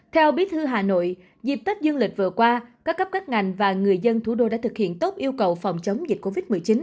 theo bí thư hà nội dịp tết dương lịch vừa qua các cấp các ngành và người dân thủ đô đã thực hiện tốt yêu cầu phòng chống dịch covid một mươi chín